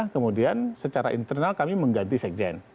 kemudian secara internal kami mengganti sekjen